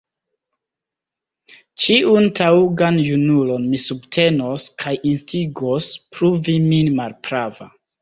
Ĉiun taŭgan junulon mi subtenos kaj instigos pruvi min malprava.